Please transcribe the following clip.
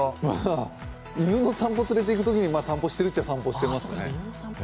犬の散歩連れていくときに散歩してるっちゃあしてますね。